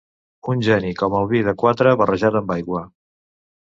Un geni com el vi de quatre barrejat amb aigua.